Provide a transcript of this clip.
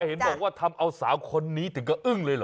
เห็นบอกว่าทำเอาสาวคนนี้ถึงก็อึ้งเลยเหรอ